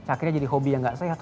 akhirnya jadi hobi yang gak sehat